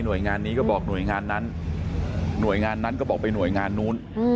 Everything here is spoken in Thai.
โดยงานนี้ก็บอกหน่วยงานนั้นหน่วยงานนั้นก็บอกไปหน่วยงานนู้น